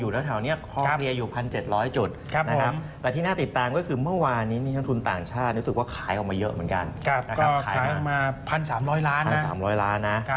๓๐๐ล้านนะครับ๓๐๐ล้านนะ